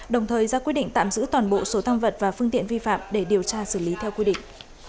đồng thời ra quyết định tạm giữ toàn bộ số thăng vật và phương tiện vi phạm để điều tra xử lý theo quy định